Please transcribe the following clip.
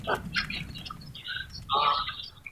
چا ته به یې نه ګټه نه تاوان ورسیږي